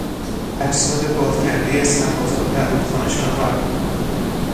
اجساد باد کردهی سربازان در روخانه شناور بود.